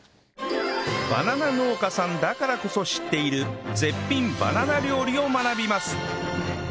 バナナ農家さんだからこそ知っている絶品バナナ料理を学びます